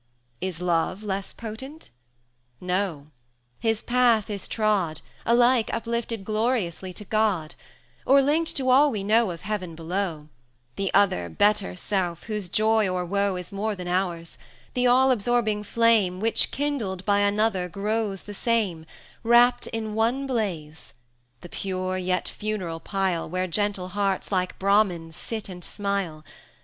Is Love less potent? No his path is trod, Alike uplifted gloriously to God; Or linked to all we know of Heaven below, The other better self, whose joy or woe Is more than ours; the all absorbing flame Which, kindled by another, grows the same,[fo] Wrapt in one blaze; the pure, yet funeral pile, 380 Where gentle hearts, like Bramins, sit and smile.